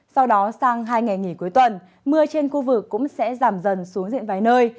sau đó sang hai ngày nghỉ cuối tuần mưa trên khu vực cũng sẽ giảm dần xuống diện vài nơi